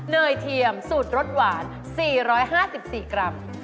ยเทียมสูตรรสหวาน๔๕๔กรัม